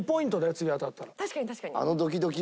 次当たったら。